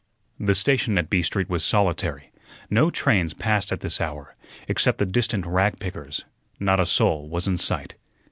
The station at B Street was solitary; no trains passed at this hour; except the distant rag pickers, not a soul was in sight.